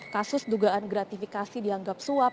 kasus dugaan gratifikasi dianggap suap